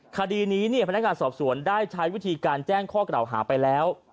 คดีนี้พนักงานสอบสวนได้ใช้วิธีการแจ้งข้อกล่าวหาไปแล้ว